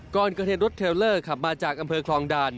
ก่อนเกิดเหตุรถเทลเลอร์ขับมาจากอำเภอคลองด่าน